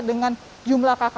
dengan jumlah kakaknya